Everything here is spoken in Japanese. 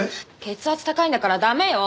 血圧高いんだから駄目よ。